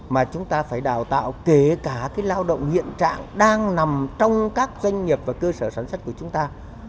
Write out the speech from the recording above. mà chúng ta phải đào tạo kể cả lao động hiện trạng đang nằm trong các doanh nghiệp và cơ sở sản xuất của chúng ta